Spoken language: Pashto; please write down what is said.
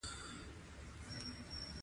بولدک ولسوالي تجارتي ځای دی.